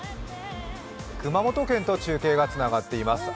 熊本県と中継がつながっています。